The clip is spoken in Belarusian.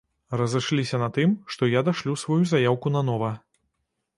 Разышліся мы на тым, што я дашлю сваю заяўку нанова.